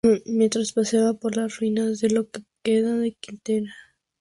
Mientras paseaba por las ruinas de lo que queda de Quneitra.